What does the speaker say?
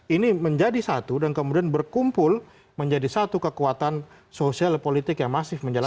ini menjadi satu dan kemudian berkumpul menjadi satu kekuatan sosial politik yang masif menjelaskan